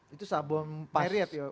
itu sabun pariet ya